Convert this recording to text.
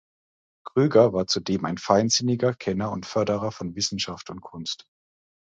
Krüger war zudem ein feinsinniger Kenner und Förderer von Wissenschaft und Kunst.